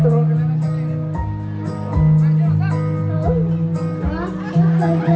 นึกมั้ยดี